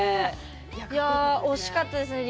いや惜しかったですね